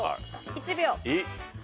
１秒。